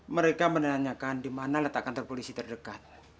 mereka menanyakan di mana letak kantor polisi terdekat